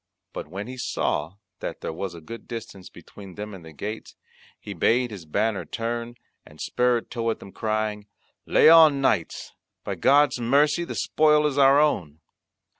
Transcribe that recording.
But when he saw that there was a good distance between them and the gates, he bade his banner turn, and spurred toward them crying, "Lay on, knights, by God's mercy the spoil is our own."